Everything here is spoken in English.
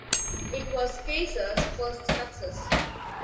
It was Kaiser's first success.